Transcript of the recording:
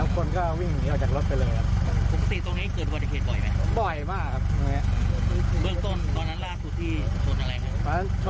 ๒คนเสียชีวิต